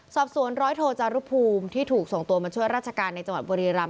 สอบสวนร้อยโทจารุภูมิที่ถูกส่งตัวมาช่วยราชการในจังหวัดบุรีรำ